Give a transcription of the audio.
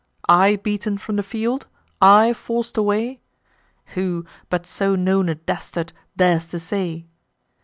I beaten from the field? I forc'd away? Who, but so known a dastard, dares to say?